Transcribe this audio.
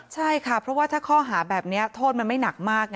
ใช่ค่ะเพราะว่าถ้าข้อหาแบบนี้โทษมันไม่หนักมาก